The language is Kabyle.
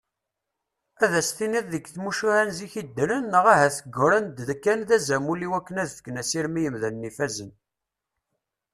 Ad s-tiniḍ deg tmucuha n zik i ddren neɣ ahat ggran-d kan d azamul iwakken ad ffken asirem i yimdanen ifazen.